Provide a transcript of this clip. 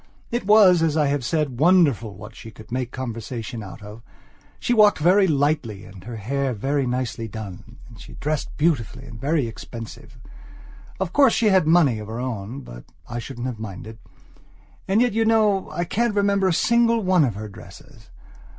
It was, as I have said, wonderful what she could make conversation out of. She walked very lightly, and her hair was very nicely done, and she dressed beautifully and very expensively. Of course she had money of her own, but I shouldn't have minded. And yet you know I can't remember a single one of her dresses.